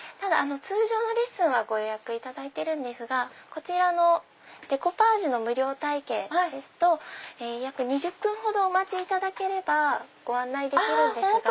通常のレッスンはご予約いただいてるんですがこちらのデコパージュの無料体験ですと約２０分ほどお待ちいただければご案内できるんですが。